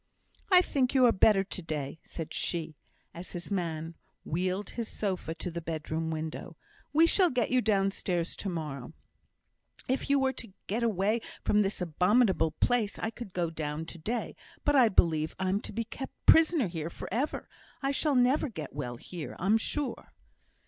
"I think you are better to day," said she, as his man wheeled his sofa to the bedroom window. "We shall get you downstairs to morrow." "If it were to get away from this abominable place, I could go down to day; but I believe I'm to be kept prisoner here for ever. I shall never get well here, I'm sure."